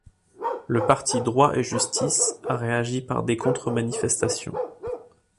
Le parti Droit et justice a réagi par des contre-manifestations.